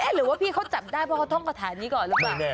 หรือว่าพี่เขาจับได้เพราะเขาท่องกระถานี้ก่อนหรือเปล่า